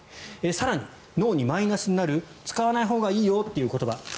更に、脳にマイナスになる使わないほうがいいよという言葉。